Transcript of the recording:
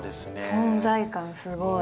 存在感すごい。